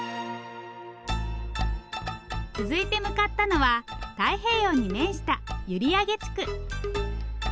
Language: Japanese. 続いて向かったのは太平洋に面した閖上地区。